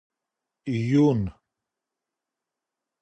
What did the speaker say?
یون